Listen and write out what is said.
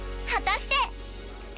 果たして］